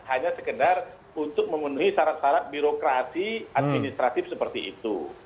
hanya sekedar untuk memenuhi syarat syarat birokrasi administratif seperti itu